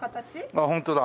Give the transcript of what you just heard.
ああホントだ。